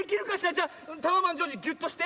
じゃタワマンじょうじギュッとして。